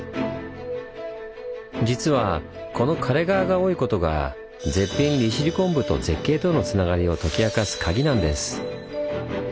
実はこのかれ川が多いことが絶品利尻昆布と絶景とのつながりを解き明かすカギなんです。